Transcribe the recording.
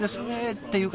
っていうか